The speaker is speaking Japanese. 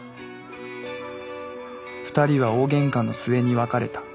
２人は大げんかの末に別れた。